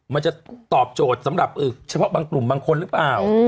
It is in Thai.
มันจะตอบโจทย์สำหรับเฉพาะบางกลุ่มบางคนหรือเปล่า